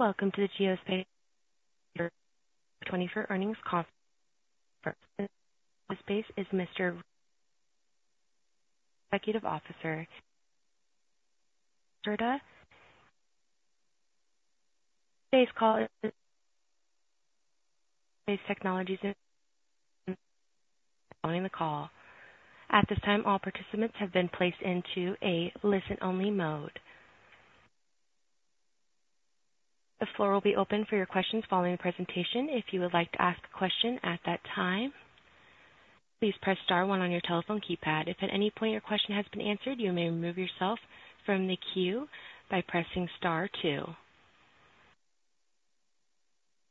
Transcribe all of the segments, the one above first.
Welcome to the Geospace Technologies 2024 earnings conference. The space is Mr. Executive Officer, Curda. Today's call is- Technologies is joining the call. At this time, all participants have been placed into a listen-only mode. The floor will be open for your questions following the presentation. If you would like to ask a question at that time, please press star one on your telephone keypad. If at any point your question has been answered, you may remove yourself from the queue by pressing star two.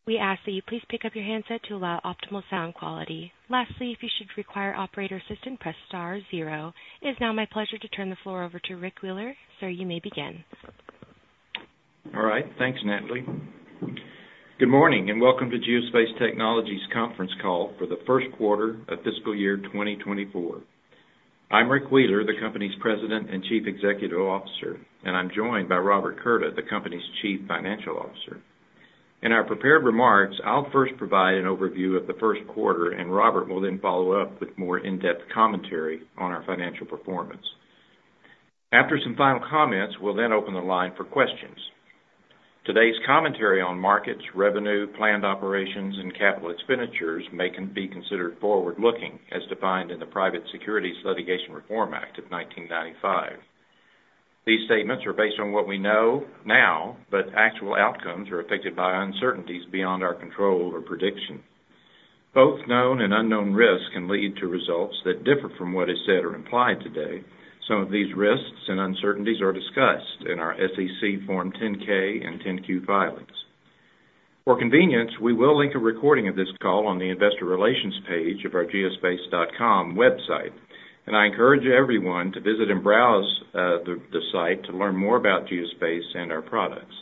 We ask that you please pick up your handset to allow optimal sound quality. Lastly, if you should require operator assistance, press star zero. It is now my pleasure to turn the floor over to Rick Wheeler. Sir, you may begin. All right, thanks, Natalie. Good morning, and welcome to Geospace Technologies conference call for the first quarter of fiscal year 2024. I'm Rick Wheeler, the company's President and Chief Executive Officer, and I'm joined by Robert Curda, the company's Chief Financial Officer. In our prepared remarks, I'll first provide an overview of the first quarter, and Robert will then follow up with more in-depth commentary on our financial performance. After some final comments, we'll then open the line for questions. Today's commentary on markets, revenue, planned operations, and capital expenditures may be considered forward-looking, as defined in the Private Securities Litigation Reform Act of 1995. These statements are based on what we know now, but actual outcomes are affected by uncertainties beyond our control or prediction. Both known and unknown risks can lead to results that differ from what is said or implied today. Some of these risks and uncertainties are discussed in our SEC Form 10-K and 10-Q filings. For convenience, we will link a recording of this call on the investor relations page of our geospace.com website, and I encourage everyone to visit and browse the site to learn more about Geospace and our products.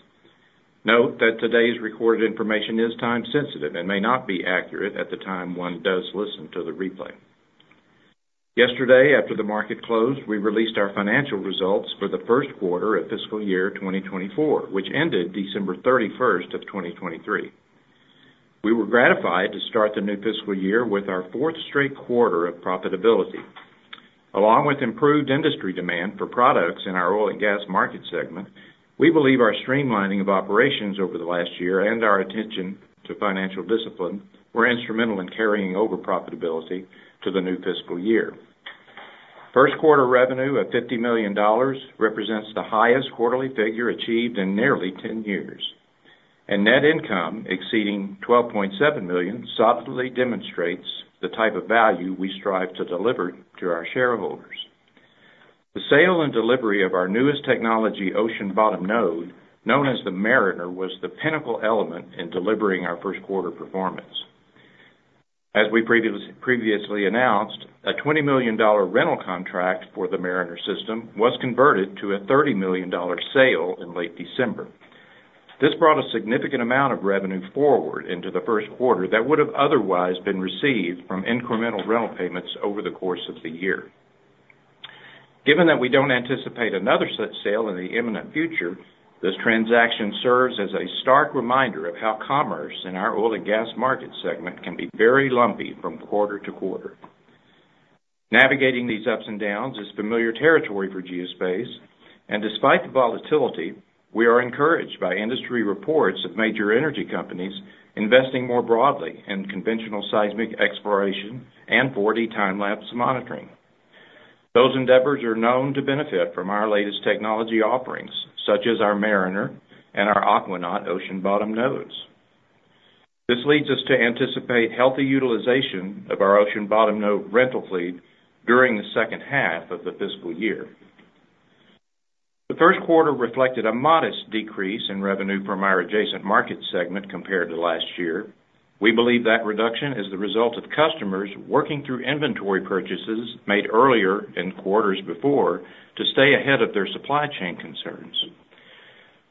Note that today's recorded information is time-sensitive and may not be accurate at the time one does listen to the replay. Yesterday, after the market closed, we released our financial results for the first quarter of fiscal year 2024, which ended December 31st of 2023. We were gratified to start the new fiscal year with our fourth straight quarter of profitability. Along with improved industry demand for products in our oil and gas market segment, we believe our streamlining of operations over the last year and our attention to financial discipline were instrumental in carrying over profitability to the new fiscal year. Q1 revenue of $50 million represents the highest quarterly figure achieved in nearly 10 years, and net income exceeding $12.7 million solidly demonstrates the type of value we strive to deliver to our shareholders. The sale and delivery of our newest technology, Ocean Bottom Node, known as the Mariner, was the pinnacle element in delivering our first quarter performance. As we previously announced, a $20 million rental contract for the Mariner system was converted to a $30 million sale in late December. This brought a significant amount of revenue forward into the first quarter that would have otherwise been received from incremental rental payments over the course of the year. Given that we don't anticipate another such sale in the imminent future, this transaction serves as a stark reminder of how commerce in our oil and gas market segment can be very lumpy from quarter to quarter. Navigating these ups and downs is familiar territory for Geospace, and despite the volatility, we are encouraged by industry reports of major energy companies investing more broadly in conventional seismic exploration and 4D time-lapse monitoring. Those endeavors are known to benefit from our latest technology offerings, such as our Mariner and our Aquanaut Ocean Bottom Nodes. This leads us to anticipate healthy utilization of our Ocean Bottom Node rental fleet during the second half of the fiscal year. The first quarter reflected a modest decrease in revenue from our adjacent market segment compared to last year. We believe that reduction is the result of customers working through inventory purchases made earlier in quarters before to stay ahead of their supply chain concerns.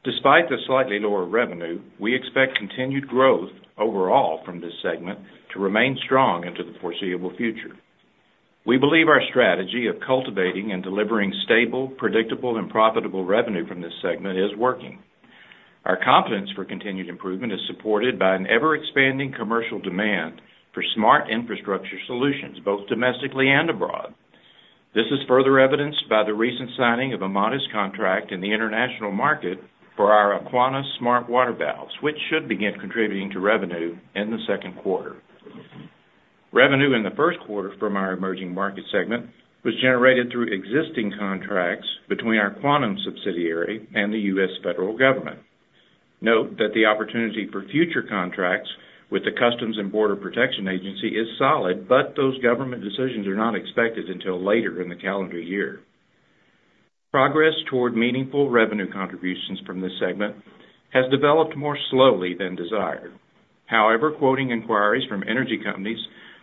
Despite the slightly lower revenue, we expect continued growth overall from this segment to remain strong into the foreseeable future. We believe our strategy of cultivating and delivering stable, predictable, and profitable revenue from this segment is working. Our confidence for continued improvement is supported by an ever-expanding commercial demand for smart infrastructure solutions, both domestically and abroad. This is further evidenced by the recent signing of a modest contract in the international market for our Aquanaut smart water valves, which should begin contributing to revenue in the second quarter. Revenue in the first quarter from our emerging market segment was generated through existing contracts between our Quantum subsidiary and the U.S. federal government. Note that the opportunity for future contracts with the U.S. Customs and Border Protection is solid, but those government decisions are not expected until later in the calendar year. Progress toward meaningful revenue contributions from this segment has developed more slowly than desired. However, quoting inquiries from energy companies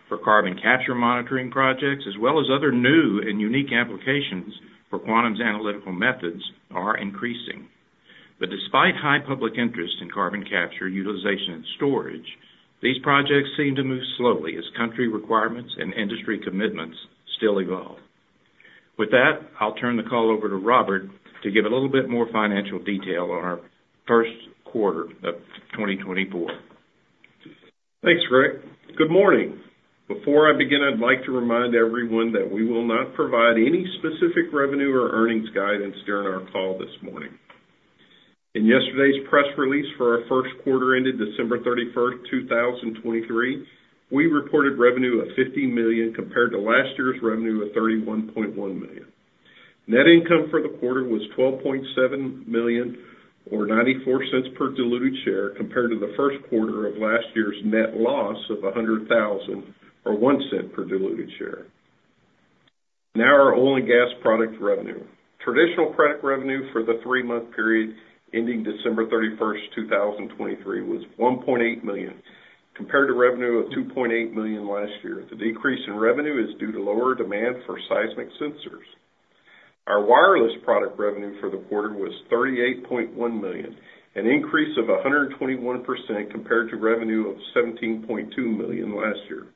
for carbon capture monitoring projects, as well as other new and unique applications for Quantum's analytical methods, are increasing. But despite high public interest in carbon capture, utilization, and storage, these projects seem to move slowly as country requirements and industry commitments still evolve. With that, I'll turn the call over to Robert to give a little bit more financial detail on our first quarter of 2024. Thanks, Rick. Good morning. Before I begin, I'd like to remind everyone that we will not provide any specific revenue or earnings guidance during our call this morning. In yesterday's press release for our first quarter ended December 31, 2023, we reported revenue of $15 million compared to last year's revenue of $31.1 million. Net income for the quarter was $12.7 million, or $0.94 per diluted share, compared to the first quarter of last year's net loss of $100,000, or $0.01 per diluted share. Now, our oil and gas product revenue. Traditional product revenue for the three-month period ending December 31, 2023, was $1.8 million, compared to revenue of $2.8 million last year. The decrease in revenue is due to lower demand for seismic sensors. Our wireless product revenue for the quarter was $38.1 million, an increase of 121% compared to revenue of $17.2 million last year.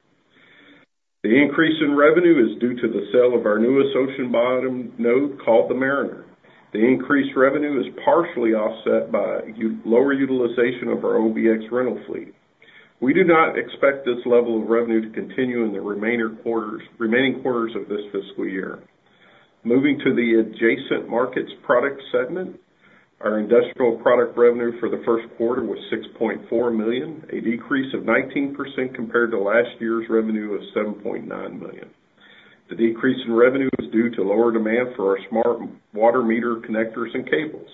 The increase in revenue is due to the sale of our newest ocean bottom node, called the Mariner. The increased revenue is partially offset by lower utilization of our OBX rental fleet. We do not expect this level of revenue to continue in the remaining quarters of this fiscal year. Moving to the adjacent markets product segment, our industrial product revenue for the first quarter was $6.4 million, a decrease of 19% compared to last year's revenue of $7.9 million. The decrease in revenue is due to lower demand for our smart water meter connectors and cables.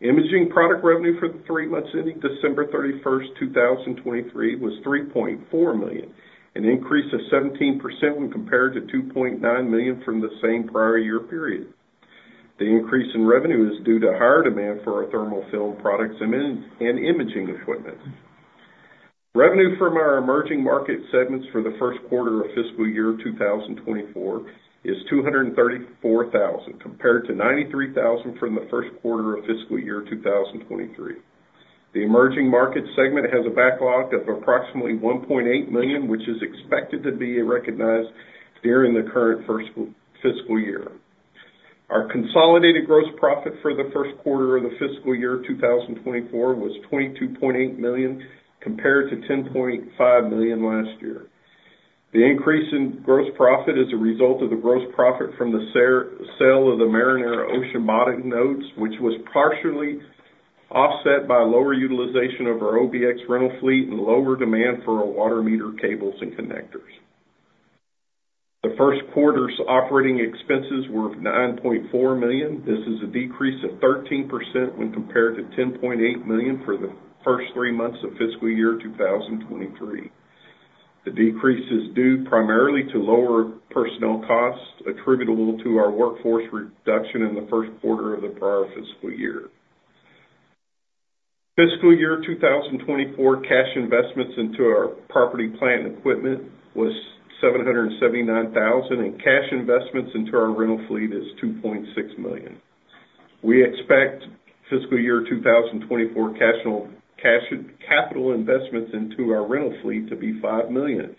Imaging product revenue for the three months ending December 31, 2023, was $3.4 million, an increase of 17% when compared to $2.9 million from the same prior year period. The increase in revenue is due to higher demand for our thermal film products and imaging equipment. Revenue from our emerging market segments for the first quarter of fiscal year 2024 is $234,000, compared to $93,000 from the first quarter of fiscal year 2023. The emerging market segment has a backlog of approximately $1.8 million, which is expected to be recognized during the current first fiscal year. Our consolidated gross profit for the first quarter of the fiscal year 2024 was $22.8 million, compared to $10.5 million last year. The increase in gross profit is a result of the gross profit from the sale of the Mariner ocean bottom nodes, which was partially offset by lower utilization of our OBX rental fleet and lower demand for our water meter cables and connectors. The first quarter's operating expenses were $9.4 million. This is a decrease of 13% when compared to $10.8 million for the first three months of fiscal year 2023. The decrease is due primarily to lower personnel costs attributable to our workforce reduction in the first quarter of the prior fiscal year. Fiscal year 2024 cash investments into our property, plant, and equipment was $779,000, and cash investments into our rental fleet is $2.6 million. We expect fiscal year 2024 cash, capital investments into our rental fleet to be $5 million.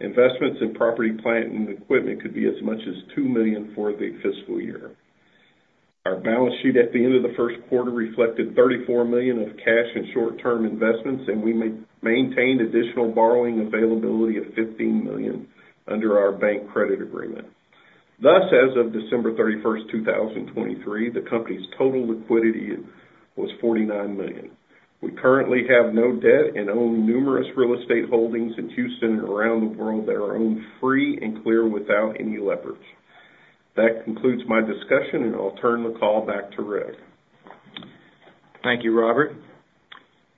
Investments in property, plant, and equipment could be as much as $2 million for the fiscal year. Our balance sheet at the end of the first quarter reflected $34 million of cash and short-term investments, and we maintained additional borrowing availability of $15 million under our bank credit agreement. Thus, as of December 31, 2023, the company's total liquidity was $49 million. We currently have no debt and own numerous real estate holdings in Houston and around the world that are owned free and clear without any leverage. That concludes my discussion, and I'll turn the call back to Rick. Thank you, Robert.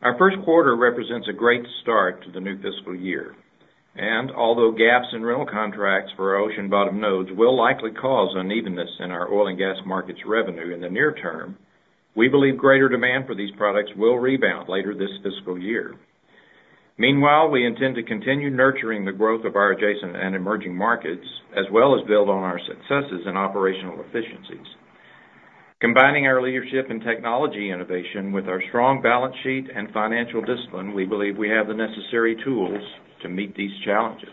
Our first quarter represents a great start to the new fiscal year, and although gaps in rental contracts for our ocean bottom nodes will likely cause unevenness in our oil and gas markets revenue in the near term, we believe greater demand for these products will rebound later this fiscal year. Meanwhile, we intend to continue nurturing the growth of our adjacent and emerging markets, as well as build on our successes and operational efficiencies. Combining our leadership and technology innovation with our strong balance sheet and financial discipline, we believe we have the necessary tools to meet these challenges.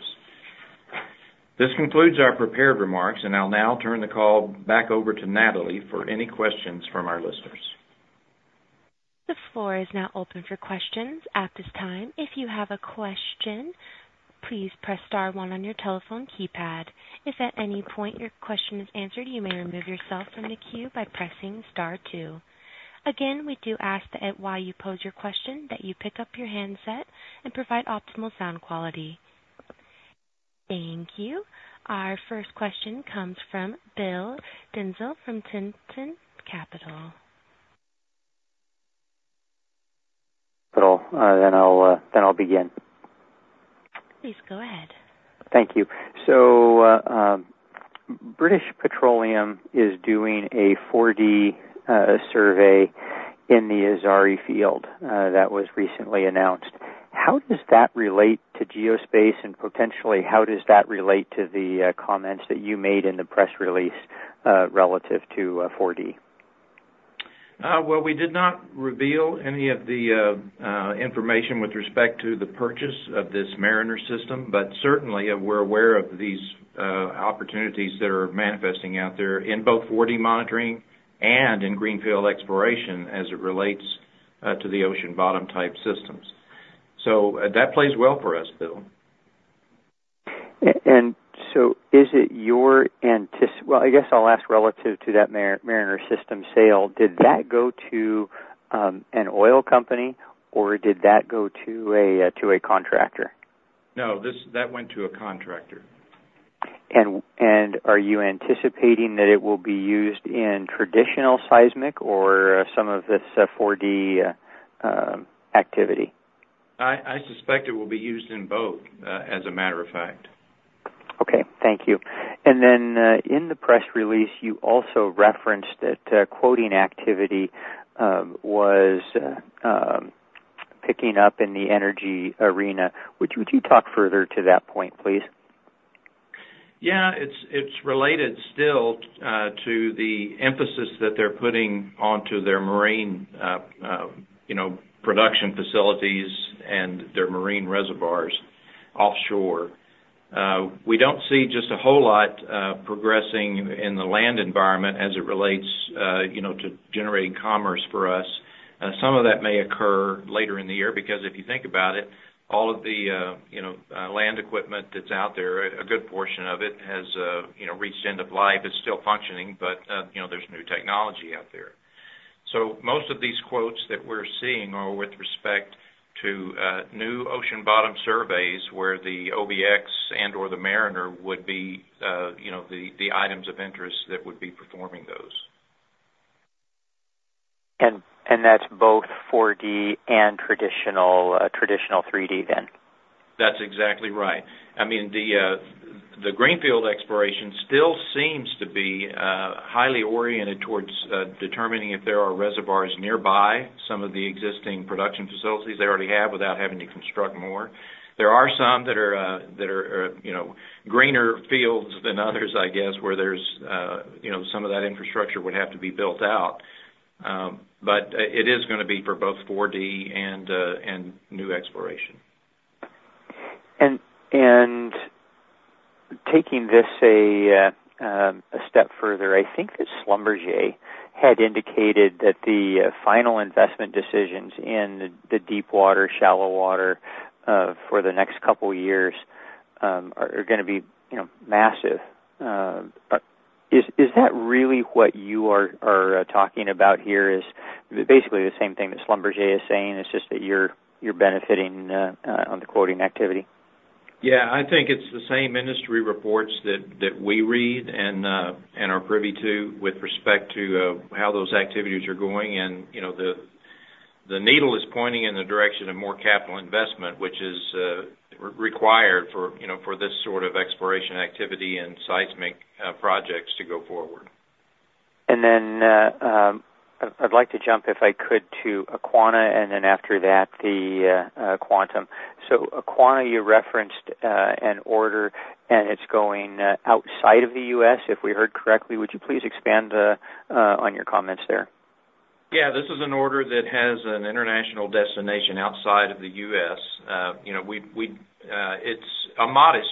This concludes our prepared remarks, and I'll now turn the call back over to Natalie for any questions from our listeners. The floor is now open for questions. At this time, if you have a question, please press star one on your telephone keypad. If at any point your question is answered, you may remove yourself from the queue by pressing star two. Again, we do ask that while you pose your question, that you pick up your handset and provide optimal sound quality. Thank you. Our first question comes from Bill Dezellem from Tieton Capital. Cool, then I'll begin. Please go ahead. Thank you. So, British Petroleum is doing a 4D survey in the Azeri field that was recently announced. How does that relate to Geospace, and potentially, how does that relate to the comments that you made in the press release relative to 4D? Well, we did not reveal any of the information with respect to the purchase of this Mariner system, but certainly, we're aware of these opportunities that are manifesting out there in both 4D monitoring and in greenfield exploration as it relates to the ocean bottom type systems. So that plays well for us, Bill. Well, I guess I'll ask, relative to that Mariner system sale, did that go to an oil company, or did that go to a contractor? No, this, that went to a contractor. Are you anticipating that it will be used in traditional seismic or some of this 4D activity? I suspect it will be used in both, as a matter of fact. Okay. Thank you. And then, in the press release, you also referenced that, quoting activity, was picking up in the energy arena. Would you talk further to that point, please? Yeah, it's, it's related still to the emphasis that they're putting onto their marine, you know, production facilities and their marine reservoirs offshore. We don't see just a whole lot progressing in the land environment as it relates, you know, to generating commerce for us. Some of that may occur later in the year, because if you think about it, all of the, you know, land equipment that's out there, a good portion of it has, you know, reached end of life, is still functioning, but, you know, there's new technology out there. So most of these quotes that we're seeing are with respect to new ocean bottom surveys, where the OBX and or the Mariner would be, you know, the, the items of interest that would be performing those. And that's both 4D and traditional 3D then? That's exactly right. I mean, the greenfield exploration still seems to be highly oriented towards determining if there are reservoirs nearby some of the existing production facilities they already have without having to construct more. There are some that are, you know, greener fields than others, I guess, where there's, you know, some of that infrastructure would have to be built out. But it is gonna be for both 4D and new exploration. Taking this a step further, I think that Schlumberger had indicated that the final investment decisions in the deep water, shallow water for the next couple years are gonna be, you know, massive. Is that really what you are talking about here, is basically the same thing that Schlumberger is saying, it's just that you're benefiting on the quoting activity? Yeah, I think it's the same industry reports that we read and are privy to with respect to how those activities are going. And, you know, the needle is pointing in the direction of more capital investment, which is required for, you know, for this sort of exploration activity and seismic projects to go forward. I'd like to jump, if I could, to Aquana, and then after that, the Quantum. So Aquana, you referenced an order, and it's going outside of the U.S., if we heard correctly. Would you please expand on your comments there? Yeah, this is an order that has an international destination outside of the US. You know, it's a modest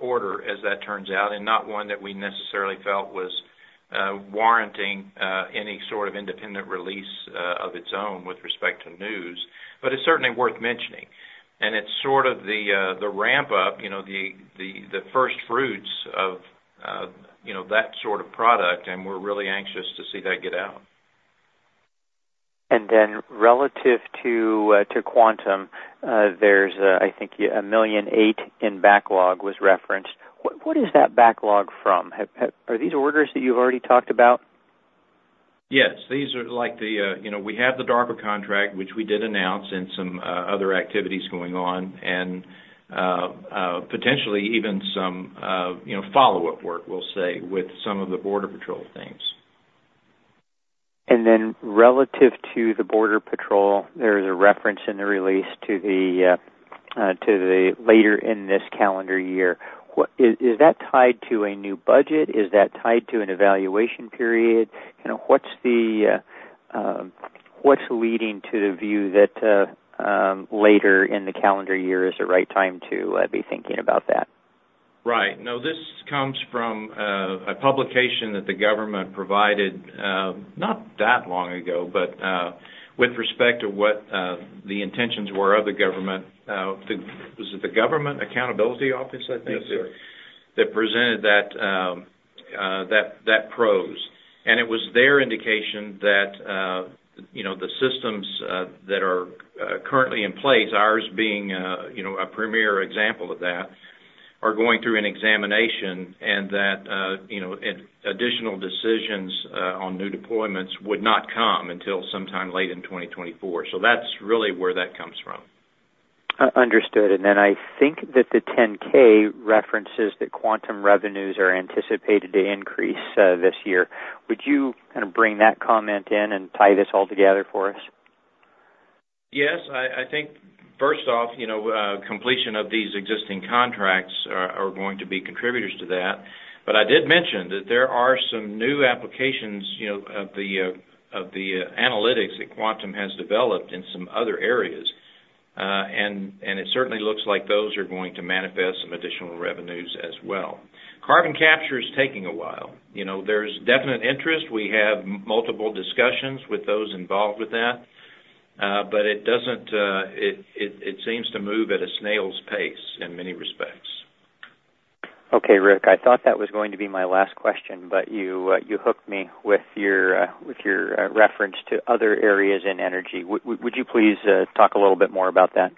order as that turns out, and not one that we necessarily felt was warranting any sort of independent release of its own with respect to news, but it's certainly worth mentioning. And it's sort of the ramp up, you know, the first fruits of you know, that sort of product, and we're really anxious to see that get out. And then relative to Quantum, there's, I think, $1.8 million in backlog was referenced. What is that backlog from? Are these orders that you've already talked about? Yes. These are like the, you know, we have the DARPA contract, which we did announce, and some other activities going on, and potentially even some you know, follow-up work, we'll say, with some of the border patrol things. Then, relative to the border patrol, there is a reference in the release to the later in this calendar year. What is that tied to a new budget? Is that tied to an evaluation period? You know, what's leading to the view that later in the calendar year is the right time to be thinking about that? Right. No, this comes from a publication that the government provided, not that long ago, but, with respect to what, the intentions were of the government. Was it the Government Accountability Office, I think? Yes, sir. That presented that prose. And it was their indication that, you know, the systems that are currently in place, ours being, you know, a premier example of that, are going through an examination and that, you know, an additional decisions on new deployments would not come until sometime late in 2024. So that's really where that comes from. Understood. And then I think that the 10-K references that Quantum revenues are anticipated to increase this year. Would you kind of bring that comment in and tie this all together for us? Yes, I think first off, you know, completion of these existing contracts are going to be contributors to that. But I did mention that there are some new applications, you know, of the analytics that Quantum has developed in some other areas. And it certainly looks like those are going to manifest some additional revenues as well. Carbon capture is taking a while. You know, there's definite interest. We have multiple discussions with those involved with that, but it seems to move at a snail's pace in many respects. Okay, Rick, I thought that was going to be my last question, but you hooked me with your reference to other areas in energy. Would you please talk a little bit more about that?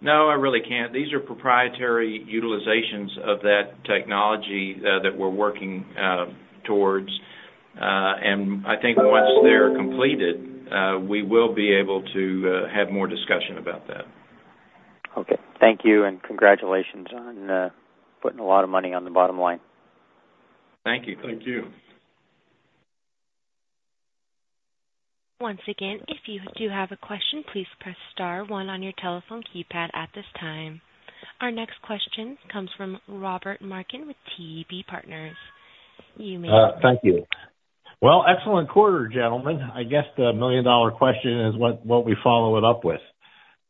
No, I really can't. These are proprietary utilizations of that technology that we're working towards. And I think once they're completed, we will be able to have more discussion about that. Okay. Thank you, and congratulations on putting a lot of money on the bottom line. Thank you. Thank you. Once again, if you do have a question, please press star one on your telephone keypad at this time. Our next question comes from Robert Markin with TB Partners. Thank you. Well, excellent quarter, gentlemen. I guess the million-dollar question is, what we follow it up with?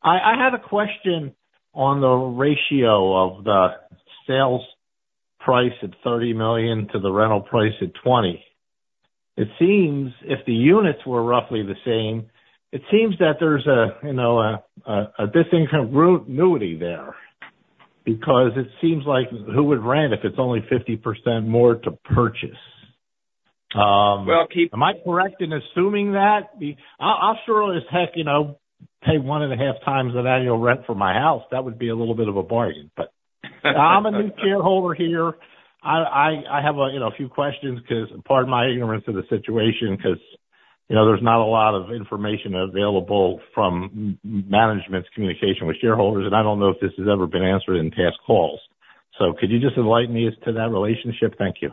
I had a question on the ratio of the sales price at $30 million to the rental price at $20. It seems, if the units were roughly the same, it seems that there's a, you know, a discount kind of annuity there, because it seems like who would rent if it's only 50% more to purchase? Am I correct in assuming that? I'll sure as heck, you know, pay 1.5 times an annual rent for my house. That would be a little bit of a bargain, but I'm a new shareholder here. I have a few questions, 'cause pardon my ignorance of the situation, 'cause, you know, there's not a lot of information available from management's communication with shareholders, and I don't know if this has ever been answered in past calls. So could you just enlighten me as to that relationship? Thank you.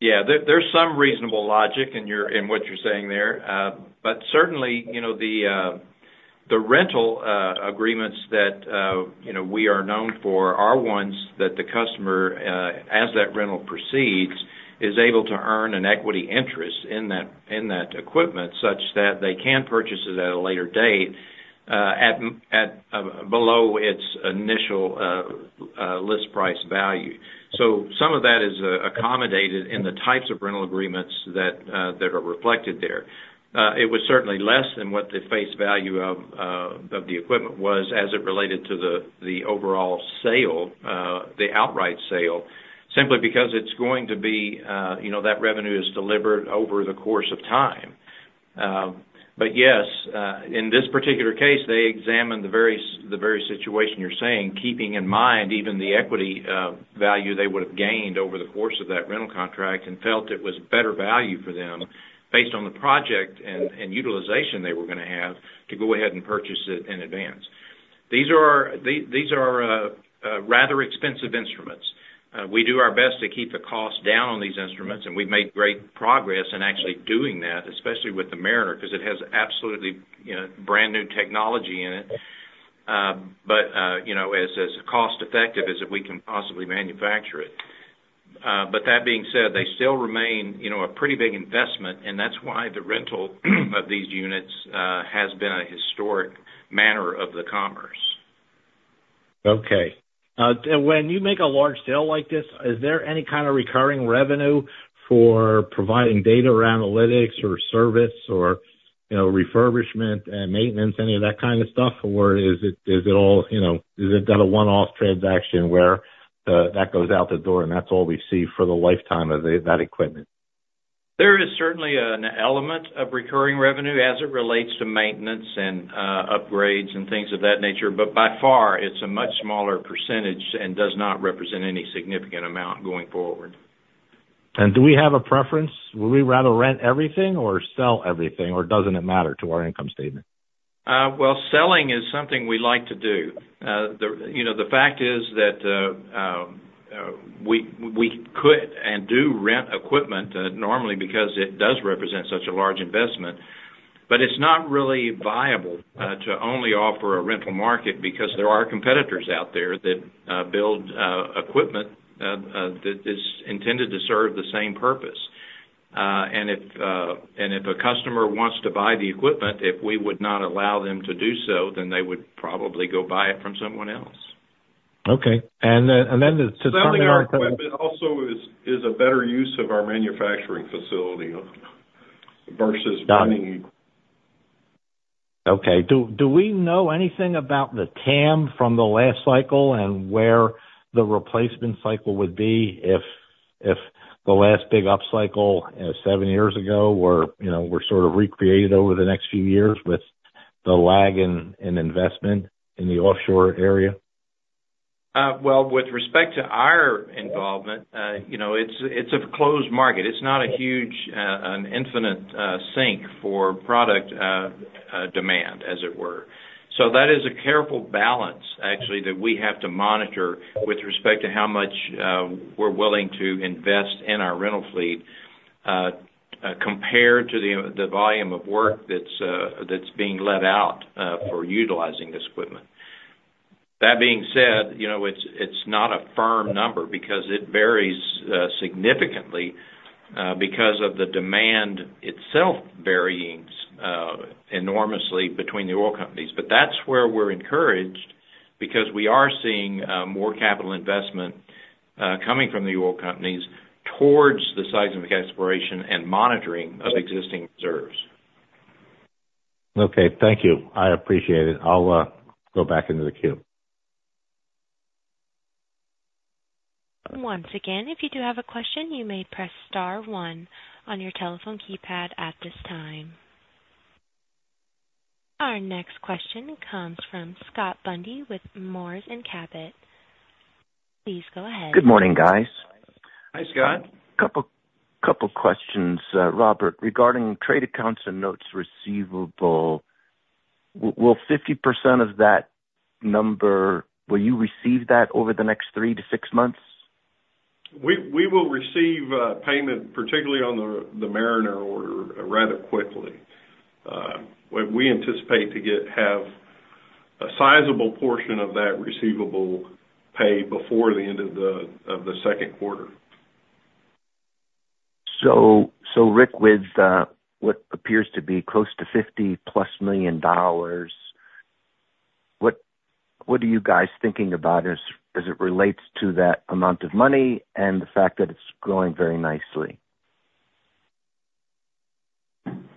Yeah, there, there's some reasonable logic in your, in what you're saying there. But certainly, you know, the rental agreements that, you know, we are known for are ones that the customer, as that rental proceeds, is able to earn an equity interest in that, in that equipment, such that they can purchase it at a later date, at below its initial, list price value. So, some of that is accommodated in the types of rental agreements that are reflected there. It was certainly less than what the face value of the equipment was as it related to the overall sale, the outright sale. Simply because it's going to be, you know, that revenue is delivered over the course of time. But yes, in this particular case, they examined the very situation you're saying, keeping in mind even the equity value they would have gained over the course of that rental contract, and felt it was better value for them based on the project and utilization they were gonna have, to go ahead and purchase it in advance. These are rather expensive instruments. We do our best to keep the costs down on these instruments, and we've made great progress in actually doing that, especially with the Mariner, 'cause it has absolutely, you know, brand new technology in it. You know, as cost effective as we can possibly manufacture it. But that being said, they still remain, you know, a pretty big investment, and that's why the rental of these units has been a historic manner of the commerce. Okay. When you make a large sale like this, is there any kind of recurring revenue for providing data or analytics or service or, you know, refurbishment and maintenance, any of that kind of stuff? Or is it, is it all, you know, is it done a one-off transaction where, that goes out the door and that's all we see for the lifetime of the, that equipment? There is certainly an element of recurring revenue as it relates to maintenance and upgrades and things of that nature, but by far, it's a much smaller percentage and does not represent any significant amount going forward. Do we have a preference? Would we rather rent everything or sell everything, or doesn't it matter to our income statement? Well, selling is something we like to do. You know, the fact is that we could and do rent equipment normally because it does represent such a large investment. But it's not really viable to only offer a rental market because there are competitors out there that build equipment that is intended to serve the same purpose. And if a customer wants to buy the equipment, if we would not allow them to do so, then they would probably go buy it from someone else. Okay. And then to- Selling our equipment also is a better use of our manufacturing facility versus running- Okay. Do we know anything about the TAM from the last cycle and where the replacement cycle would be if the last big upcycle seven years ago were, you know, were sort of recreated over the next few years with the lag in investment in the offshore area? Well, with respect to our involvement, you know, it's, it's a closed market. It's not a huge, an infinite, sink for product, demand, as it were. So that is a careful balance, actually, that we have to monitor with respect to how much, we're willing to invest in our rental fleet, compared to the, the volume of work that's, that's being let out, for utilizing this equipment. That being said, you know, it's, it's not a firm number because it varies, significantly, because of the demand itself varying, enormously between the oil companies. But that's where we're encouraged, because we are seeing, more capital investment, coming from the oil companies towards the seismic exploration and monitoring of existing reserves. Okay. Thank you. I appreciate it. I'll go back into the queue. Once again, if you do have a question, you may press star one on your telephone keypad at this time. Our next question comes from Scott Bundy with Moors & Cabot. Please go ahead. Good morning, guys. Hi, Scott. Couple questions. Robert, regarding trade accounts and notes receivable, will 50% of that number, will you receive that over the next three to six months? We, we will receive payment, particularly on the, the Mariner order, rather quickly. We, we anticipate to have a sizable portion of that receivable paid before the end of the, of the second quarter. So, Rick, with what appears to be close to $50+ million, what are you guys thinking about as it relates to that amount of money and the fact that it's growing very nicely?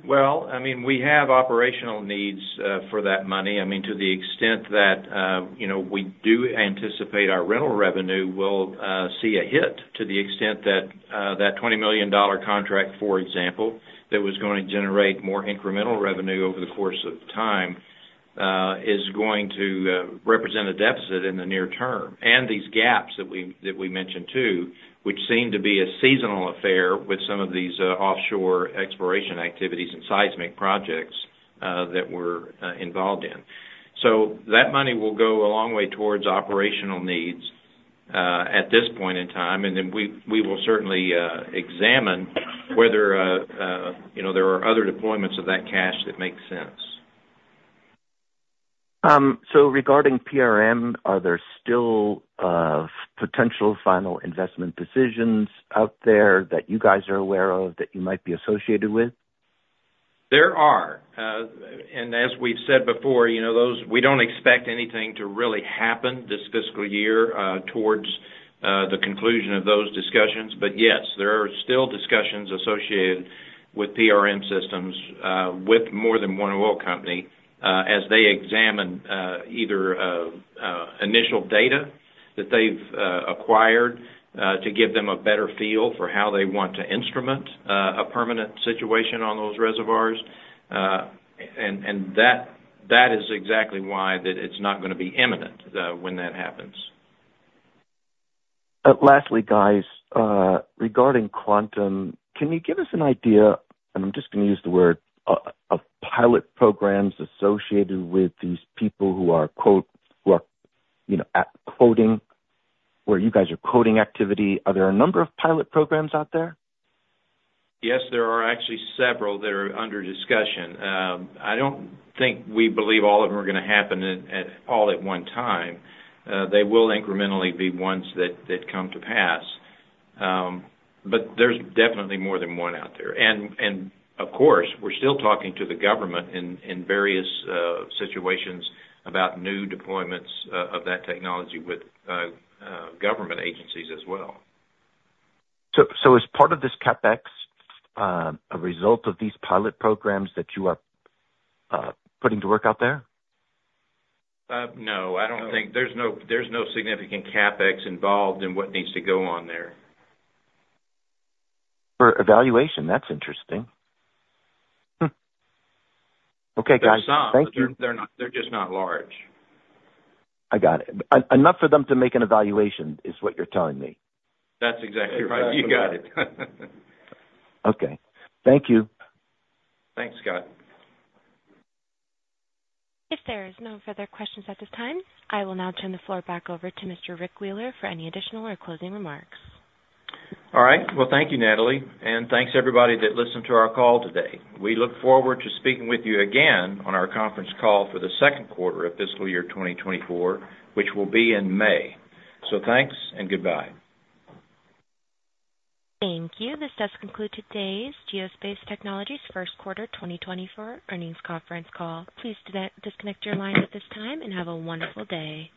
Well, I mean, we have operational needs for that money. I mean, to the extent that, you know, we do anticipate our rental revenue will see a hit to the extent that that $20 million contract, for example, that was gonna generate more incremental revenue over the course of time is going to represent a deficit in the near term. And these gaps that we mentioned, too, which seem to be a seasonal affair with some of these offshore exploration activities and seismic projects that we're involved in. So that money will go a long way towards operational needs at this point in time, and then we will certainly examine whether, you know, there are other deployments of that cash that make sense. Regarding PRM, are there still potential final investment decisions out there that you guys are aware of, that you might be associated with? There are. And as we've said before, you know those we don't expect anything to really happen this fiscal year, towards the conclusion of those discussions. But yes, there are still discussions associated with PRM systems with more than one oil company, as they examine either initial data that they've acquired to give them a better feel for how they want to instrument a permanent situation on those reservoirs. And that is exactly why that it's not gonna be imminent when that happens. Lastly, guys, regarding Quantum, can you give us an idea, and I'm just gonna use the word of pilot programs associated with these people who are quote, you know, at quoting, where you guys are quoting activity. Are there a number of pilot programs out there? Yes, there are actually several that are under discussion. I don't think we believe all of them are gonna happen at all at one time. They will incrementally be ones that come to pass. But there's definitely more than one out there. And of course, we're still talking to the government in various situations about new deployments of that technology with government agencies as well. So, so is part of this CapEx a result of these pilot programs that you are putting to work out there? No, I don't think... There's no, there's no significant CapEx involved in what needs to go on there. For evaluation. That's interesting. Hmm. Okay, guys. There's some- Thank you. They're just not large. I got it. Enough for them to make an evaluation, is what you're telling me. That's exactly right. You got it. Okay. Thank you. Thanks, Scott. If there is no further questions at this time, I will now turn the floor back over to Mr. Rick Wheeler for any additional or closing remarks. All right. Well, thank you, Natalie, and thanks, everybody, that listened to our call today. We look forward to speaking with you again on our conference call for the second quarter of fiscal year 2024, which will be in May. So, thanks and goodbye. Thank you. This does conclude today's Geospace Technologies' first quarter 2024 earnings conference call. Please disconnect your lines at this time and have a wonderful day.